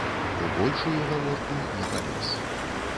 У большую гаворку не палез.